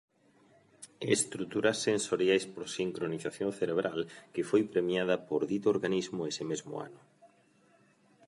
Estructuras sensoriales por sincronización cerebral", que fue premiada por dicho organismo ese mismo año.